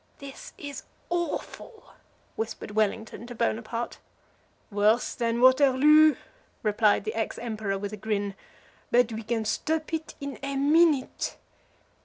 "This is awful," whispered Wellington to Bonaparte. "Worse than Waterloo," replied the ex Emperor, with a grin; "but we can stop it in a minute.